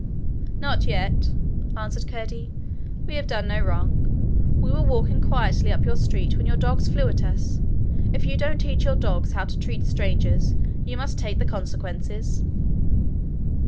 'Not yet,' answered Curdie. 'We have done no wrong. We were walking quietly up your street when your dogs flew at us. If you don't teach your dogs how to treat strangers, you must take the consequences.'